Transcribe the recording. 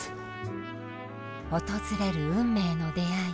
訪れる運命の出会い。